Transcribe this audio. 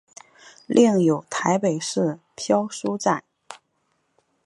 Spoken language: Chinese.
另有台北市漂书站。